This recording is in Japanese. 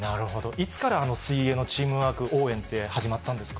いつからあの水泳のチームワーク応援って始まったんですか。